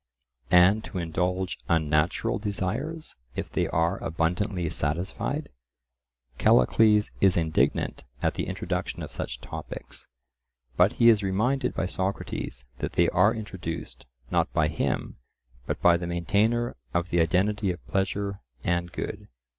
And to indulge unnatural desires, if they are abundantly satisfied? Callicles is indignant at the introduction of such topics. But he is reminded by Socrates that they are introduced, not by him, but by the maintainer of the identity of pleasure and good.